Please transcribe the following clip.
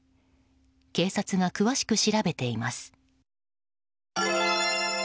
警察が詳しく調べています。